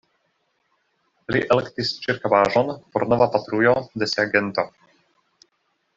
Li elektis ĉirkaŭaĵon por nova patrujo de sia gento.